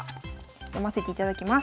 読ませていただきます。